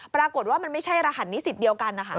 ปรากฏว่ามันไม่ใช่รหัสนิสิทธิ์เดียวกัน